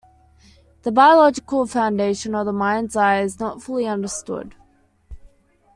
The biological foundation of the mind's eye is not fully understood.